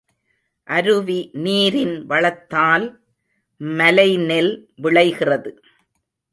அருவி நீரின் வளத்தால் மலைநெல் விளைகிறது.